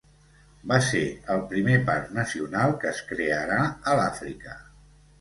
Va ser el primer parc nacional que es crearà a l'Àfrica.